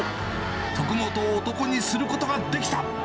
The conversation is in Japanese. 徳本を男にすることができた。